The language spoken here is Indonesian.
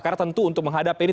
karena tentu untuk menghadapi ini